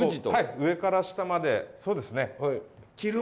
上から下までそうですね。